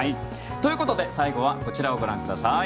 ということで最後はこちらをご覧ください。